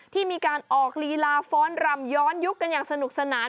ที่มีการออกลีลาฟ้อนรำย้อนยุคกันอย่างสนุกสนาน